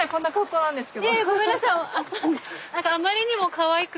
いえいえごめんなさい。